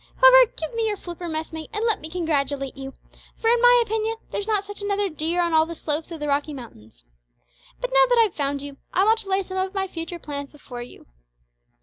However, give me your flipper, mess mate, and let me congratulate you, for in my opinion there's not such another dear on all the slopes of the Rocky Mountains. But now that I've found you, I want to lay some of my future plans before you."